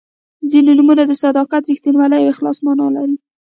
•ځینې نومونه د صداقت، رښتینولۍ او اخلاص معنا لري.